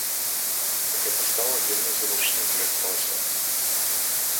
Гэта стала вельмі зручна для класа.